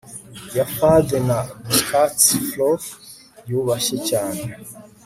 ya fade na buzzcut. fro yubashye cyane